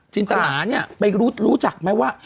จินตลาเนี่ยไปรู้จักไหมว่า